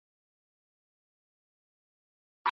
مسلمانان بايد په قرآن کريم ځان وپوهوي او احکام ئې عملي کړي.